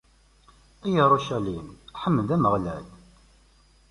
A Yarucalim, ḥmed Ameɣlal!